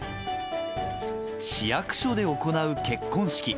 市役所で行う結婚式。